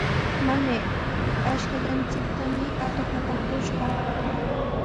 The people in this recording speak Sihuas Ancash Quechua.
¡Mamay, ashkallanchiktami atuq apakushqa!